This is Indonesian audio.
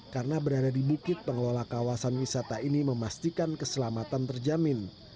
karena berada di bukit pengelola kawasan wisata ini memastikan keselamatan terjamin